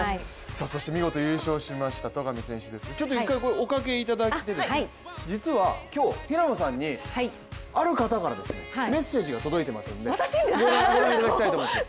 そして見事優勝しました戸上選手ですけども実は今日、平野さんにある方からメッセージが届いてますんでご覧いただきたいと思います。